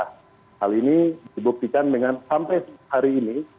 hal ini dibuktikan dengan sampai hari ini